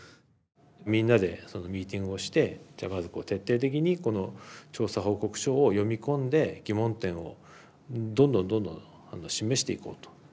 みんなでミーティングをしてじゃあまず徹底的にこの調査報告書を読み込んで疑問点をどんどんどんどん示していこうと。